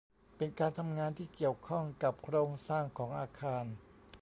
เป็นการทำงานที่เกี่ยวข้องกับโครงสร้างของอาคาร